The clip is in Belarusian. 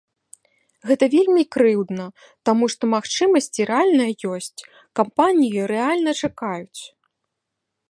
Гэта вельмі крыўдна, таму што магчымасці рэальна ёсць, кампаніі рэальна чакаюць.